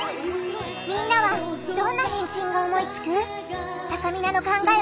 みんなはどんな返信を思いつく？